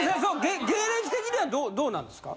芸歴的にはどうなんですか？